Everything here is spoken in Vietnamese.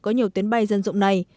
có nhiều tuyến bay dân dụng này